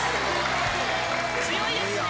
強いですね。